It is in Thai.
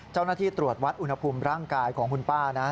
เจ้าหน้าที่ตรวจวัดอุณหภูมิร่างกายของคุณป้านะ